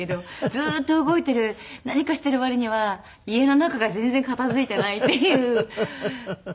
ずっと動いている何かしている割には家の中が全然片付いていないっていう事がすごく多い。